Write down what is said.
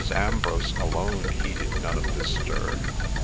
Ambrose alone heeded none of this stir.